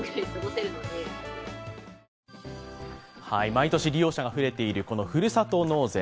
毎年利用者が増えているふるさと納税。